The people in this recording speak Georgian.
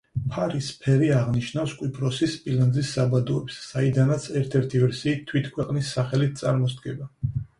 ფარის ფერი აღნიშნავს კვიპროსის სპილენძის საბადოებს, საიდანაც, ერთ-ერთი ვერსიით, თვით ქვეყნის სახელიც წარმოსდგება.